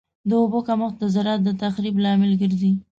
د اوبو کمښت د زراعت د تخریب لامل ګرځي.